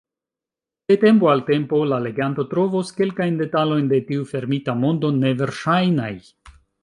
De tempo al tempo la leganto trovos kelkajn detalojn de tiu fermita mondo neverŝajnaj.